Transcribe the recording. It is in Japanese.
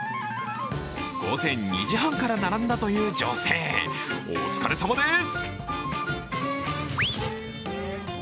午前２時半から並んだという女性、お疲れさまです！